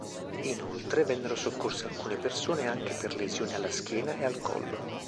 Inoltre vennero soccorse alcune persone anche per lesioni alla schiena e al collo.